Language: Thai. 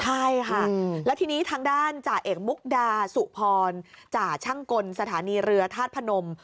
ใช่ค่ะแล้วทีนี้ทางด้านจ่าเอกมุกดาสุพรจ่าช่างกลสถานีเรือธาตุพนม